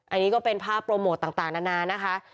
อันนี้ก็เป็นภาพโปรโมทต่างนานานะคะ